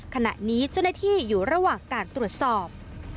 ขณะนี้เจ้าหน้าที่อยู่ระหว่างการตรวจสอบ